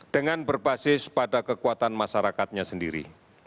dengan berbasis pada kekuatan masyarakatnya sendiri